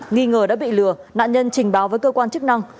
nghi ngờ đã bị lừa nạn nhân trình báo với cơ quan chức năng